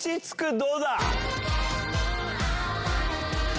どうだ？